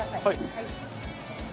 はい。